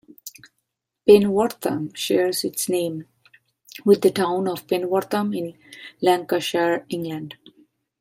Penwortham shares its name with the town of Penwortham in Lancashire, England.